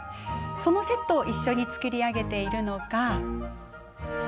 そのセットを一緒に作り上げているのは。